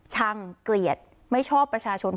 ช่างเกลียดไม่ชอบประชาชน